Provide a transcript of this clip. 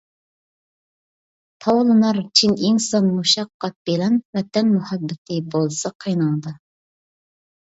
تاۋلىنار چىن ئىنسان مۇشەققەت بىلەن، ۋەتەن مۇھەببىتى بولسا قېنىڭدا!